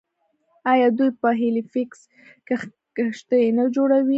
آیا دوی په هیلیفیکس کې کښتۍ نه جوړوي؟